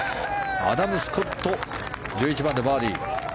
アダム・スコット１１番でバーディー。